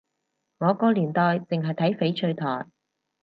我個年代淨係睇翡翠台